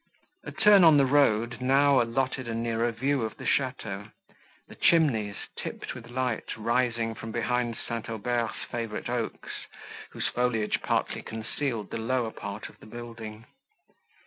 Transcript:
A turn on the road now allowed a nearer view of the château, the chimneys, tipped with light, rising from behind St. Aubert's favourite oaks, whose foliage partly concealed the lower part of the building.